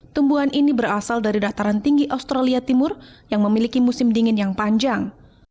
tumbuhan ini berasal dari dataran tinggi australia timur yang memiliki musim dingin yang panjang